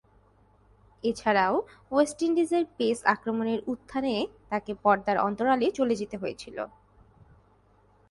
এছাড়াও, ওয়েস্ট ইন্ডিজের পেস আক্রমণের উত্থানে তাকে পর্দার অন্তরালে চলে যেতে হয়েছিল।